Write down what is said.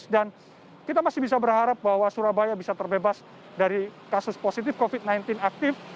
dan kita masih bisa berharap bahwa surabaya bisa terbebas dari kasus positif covid sembilan belas aktif